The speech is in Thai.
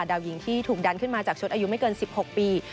ดาวยิงที่ถูกดันขึ้นมาจากชุดอายุไม่เกิน๑๖ปี